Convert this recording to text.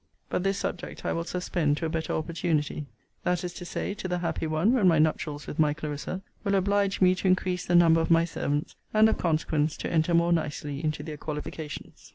But this subject I will suspend to a better opportunity; that is to say, to the happy one, when my nuptials with my Clarissa will oblige me to increase the number of my servants, and of consequence to enter more nicely into their qualifications.